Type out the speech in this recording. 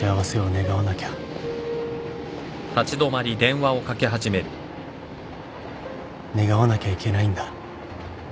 願わなきゃいけないんだ